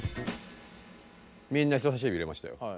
みんな人さし指入れましたよ。